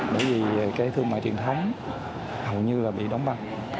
bởi vì thương mại truyền thống hầu như bị đóng băng